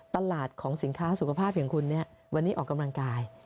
ตลาดของสินค้าสุขภาพอย่างคุณเนี่ยวันนี้ออกกำลังกาย